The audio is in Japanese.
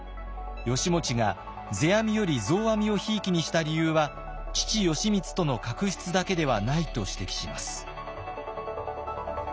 義持が世阿弥より増阿弥をひいきにした理由は父・義満との確執だけではないと指摘します。